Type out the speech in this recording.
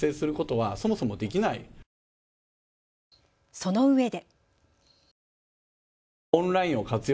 そのうえで。